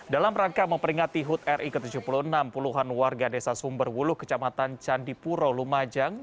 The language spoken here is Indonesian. dalam rangka memperingati hut ri ke tujuh puluh enam puluhan warga desa sumberwuluh kecamatan candipuro lumajang